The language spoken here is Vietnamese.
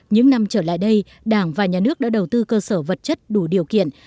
những năm trở lại đây đảng và nhà nước đã đầu tư cơ sở vật chất đủ điều kiện